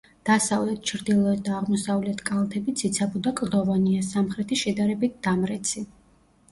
დასავლეთ, ჩრდილოეთ და აღმოსავლეთ კალთები ციცაბო და კლდოვანია, სამხრეთი შედარებით დამრეცი.